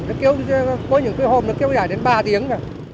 có những cái hôm nó kéo dài đến ba tiếng